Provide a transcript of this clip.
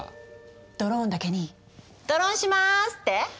ドローンだけに「ドロンします」って？